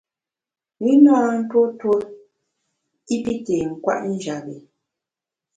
I na ntuo tuo i pi té nkwet njap bi.